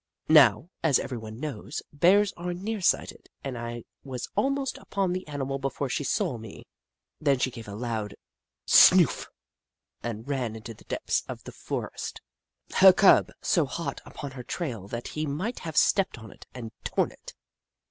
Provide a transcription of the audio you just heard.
Now, as everyone knows, Bears are near sighted, and I was almost upon the animal before she saw me. Then she gave a loud " S n o o f !" and ran into the depths of the for est, her Cub so hot upon her trail that he might have stepped on it and torn it.